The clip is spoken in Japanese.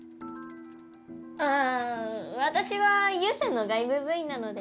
ああ私は湯専の外部部員なので。